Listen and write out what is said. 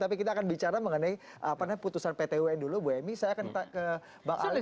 tapi kita akan bicara mengenai apa namanya putusan pt un dulu bu emy saya akan ke mbak alis